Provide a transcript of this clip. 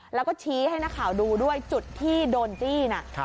แล้วก็ชี้ให้นักข่าวดูด้วยจุดที่โดนจี้น่ะ